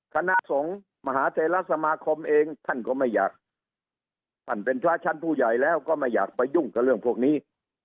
คณะสงฆ์มหาเทลสมาคมเองท่านก็ไม่อยากท่านเป็นพระชั้นผู้ใหญ่แล้วก็ไม่อยากไปยุ่งกับเรื่องพวกนี้